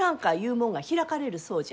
もんが開かれるそうじゃ。